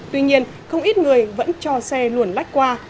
tuy nhiên không ít người vẫn cho xe luồn lách qua